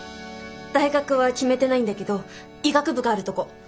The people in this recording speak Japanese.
大学は決めてないんだけど医学部があるとこ。